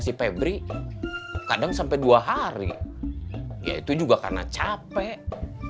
si pebri kadang sampai dua hari yaitu juga karena capek kamu tahu dari mana doi orang